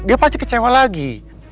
dia pasti kecewa lagi